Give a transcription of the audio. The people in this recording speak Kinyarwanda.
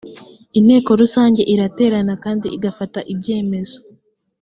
inteko rusange iraterana kandi igafata ibyemezo